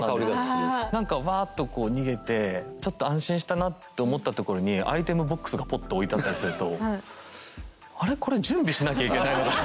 何かワーッと逃げてちょっと安心したなって思ったところにアイテムボックスがぽっと置いてあったりすると「あれ？これ準備しなきゃいけないのかな」